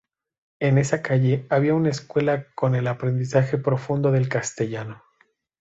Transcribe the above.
En esa calle había una escuela con el aprendizaje profundo del castellano.